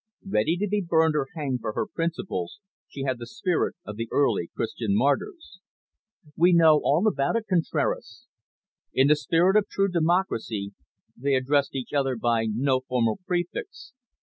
Ready to be burned or hanged for her principles, she had the spirit of the early Christian martyrs. "We know all about it, Contraras." In the spirit of true democracy, they addressed each other by no formal prefix.